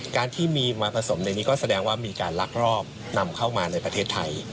การที่มีมาผสมในนี้ก็แสดงว่ามีการลักลอบนำเข้ามาในประเทศไทย